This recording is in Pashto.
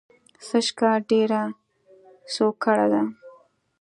سږ کال ډېره سوکړه ده